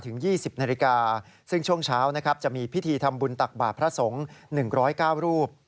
๒๐นาฬิกาซึ่งช่วงเช้านะครับจะมีพิธีทำบุญตักบาทพระสงฆ์๑๐๙รูป